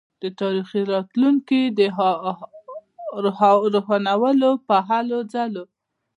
د تاریکي راتلونکي د روښانولو په هلوځلو.